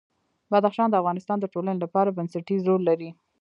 بدخشان د افغانستان د ټولنې لپاره بنسټيز رول لري.